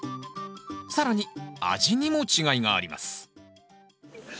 更に味にも違いがあります